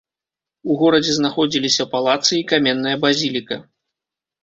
У горадзе знаходзіліся палацы і каменная базіліка.